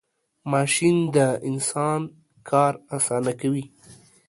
ماشین د انسان کار آسانه کوي .